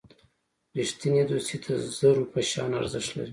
رښتینی دوستي د زرو په شان ارزښت لري.